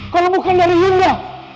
kalau bukan dari yunda